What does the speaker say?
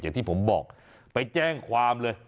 อย่างที่ผมบอกไปแจ้งความเลย